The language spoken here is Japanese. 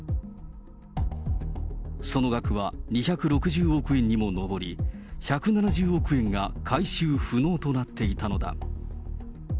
その額は２６０億円にも上り、１７０億円が回収不能となっていたのだ。